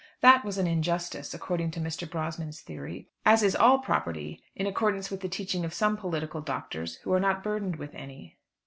That was an injustice, according to Mr. Brosnan's theory; as is all property in accordance with the teaching of some political doctors who are not burdened with any.